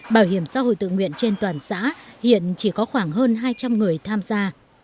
bảo hiểm xã hội tự nguyện trên toàn xã hiện chỉ có khoảng hơn hai trăm linh người tham gia